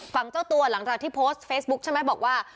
เจ้าตัวหลังจากที่โพสต์เฟซบุ๊คใช่ไหมบอกว่า